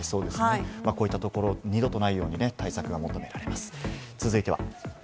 こういったところ、二度とないように対策が求められます。